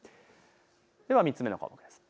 では３つ目の項目です。